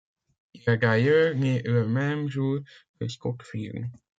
Il est d'ailleurs né le même jour que Scot Fearn.